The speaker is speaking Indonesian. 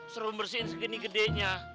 seru bersihin segeni gedenya